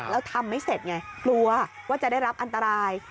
แล้วทำไม่เสร็จไงกลัวว่าจะได้รับอันตราย